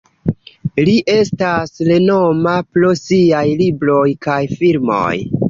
Li estas renoma pro siaj libroj kaj filmoj.